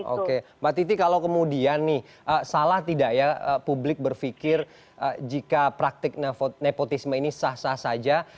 oke mbak titi kalau kemudian nih salah tidak ya publik berpikir jika praktik nepotisme ini sah sah saja